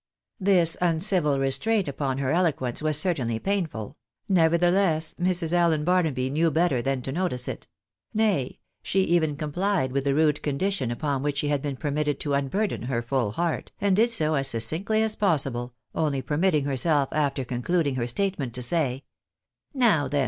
This uncivil restraint upon her eloquence was certainly painful; nevertheless Mrs. Allen Barnaby knew better than to notice it — nay, she even complied with the rude condition upon which she had been permitted to unburden her full heart, and did so as succinctly as possible, only permitting herself, after concluding her statement, to say —" Now then.